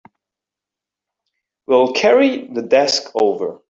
We'll carry the desk over.